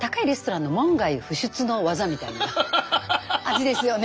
味ですよね。